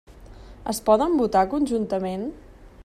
Es poden votar conjuntament?